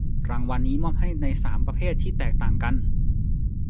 รางวัลนี้มอบให้ในสามประเภทที่แตกต่างกัน